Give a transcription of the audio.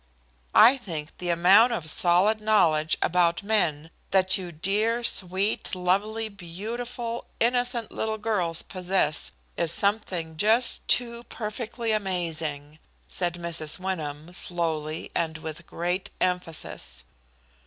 "I think the amount of solid knowledge about men that you dear, sweet, lovely, beautiful, innocent little girls possess is something just too perfectly amazing!" said Mrs. Wyndham, slowly, and with great emphasis.